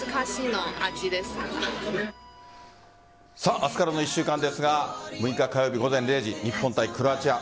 明日からの１週間ですが６日火曜日午前０時日本対クロアチア。